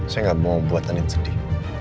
saya gak mau buat andin sedih